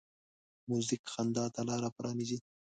موزیک خندا ته لاره پرانیزي.